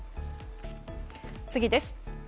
次です。